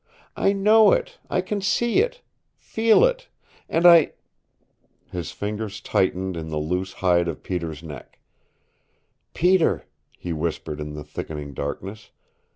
I know it. I can see it, feel it, and I " His fingers tightened in the loose hide of Peter's neck. "Peter," he whispered in the thickening darkness.